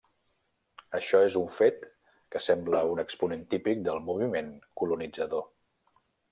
Això és un fet que sembla un exponent típic del moviment colonitzador.